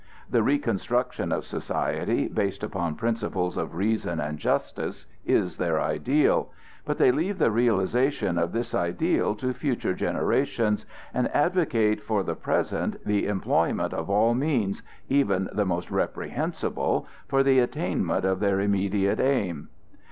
The reconstruction of society, based upon principles of reason and justice, is their ideal; but they leave the realization of this ideal to future generations, and advocate for the present the employment of all means, even the most reprehensible, for the attainment of their immediate aim.